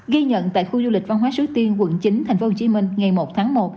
ghi nhận tại khu du lịch văn hóa suối tiên quận chín tp hcm ngày một tháng một